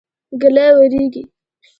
ږلۍ وريږي.